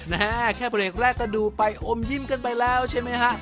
แค่เบรกแรกก็ดูไปอมยิ้มกันไปแล้วใช่ไหมฮะ